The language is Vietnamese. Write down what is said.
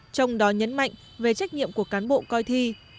trong đó nhấn mạnh về trách nhiệm của cán bộ coi thi